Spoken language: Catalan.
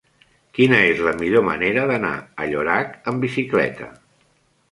Quina és la millor manera d'anar a Llorac amb bicicleta?